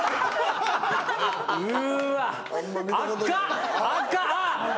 うわっ赤っ赤っ！